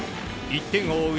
１点を追う